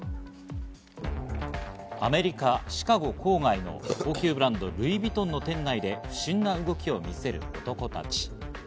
アメリカ・シカゴ郊外の高級ブランド、ルイ・ヴィトンの店内で不審な動きを見せる男たち。